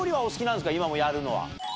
今もやるのは？